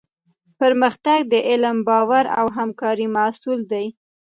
پرمختګ د علم، باور او همکارۍ محصول دی.